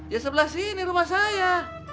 ya sebelah sini rumah saya